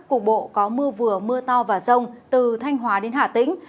cục bộ có mưa vừa mưa to vào sông từ thanh hóa đến hà tĩnh